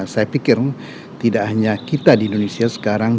saya pikir tidak hanya kita di indonesia sekarang